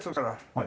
はい。